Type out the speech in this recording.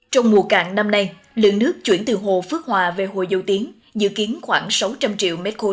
trong mùa cạn năm nay lượng nước chuyển từ hồ phước hòa về hồ dâu tiến dự kiến khoảng sáu trăm linh triệu m ba